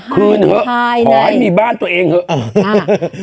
คลื่นเฮอะหอยมีบ้านตัวเองเฮอะอ่าฮ่า